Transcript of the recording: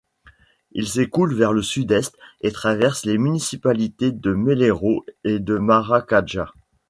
Il s'écoule vers le sud-est et traverse les municipalités de Meleiro et Maracajá.